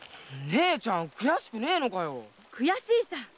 姉ちゃん悔しくねえのかよ？悔しいさ！